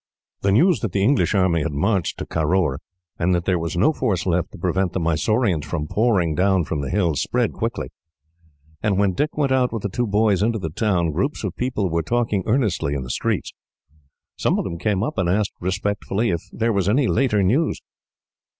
The news that the English army had marched to Caroor, and that there was no force left to prevent the Mysoreans from pouring down from the hills, spread quickly; and when Dick went out with the two boys into the town, groups of people were talking earnestly in the streets. Some of them came up, and asked respectfully if there was any later news.